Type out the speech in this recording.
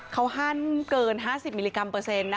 เขาหั่นเกิน๕๐มิลลิกรัมเปอร์เซ็นต์